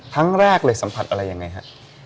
ครั้งแรกเลยสัมผัสอะไรยังไงฮะ